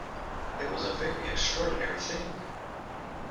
It was a very extraordinary thing!